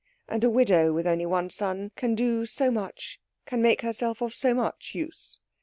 And a widow with only one son can do so much, can make herself of so much use.